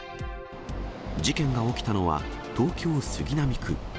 事件が起きたのは東京・杉並区。